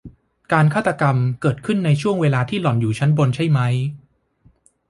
การฆาตกรรมเกิดขึ้นในช่วงเวลาที่หล่อนอยู่ชั้นบนใช่มั้ย